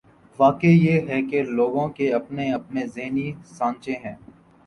واقعہ یہ ہے کہ لوگوں کے اپنے اپنے ذہنی سانچے ہیں۔